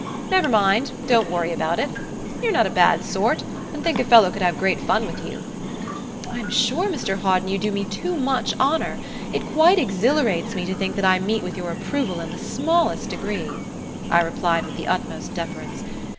"Never mind. Don't worry about it. You're not a bad sort, and think a fellow could have great fun with you." "I'm sure, Mr Hawden, you do me too much honour. It quite exhilarates me to think that I meet with your approval in the smallest degree," I replied with the utmost deference.